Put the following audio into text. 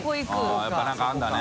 やっぱり何があるんだね。